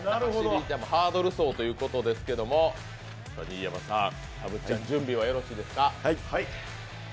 ハードル走ということですけれども、新山さん、たぶっちゃん、準備はよろしいですか？